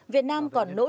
việt nam còn nỗ lực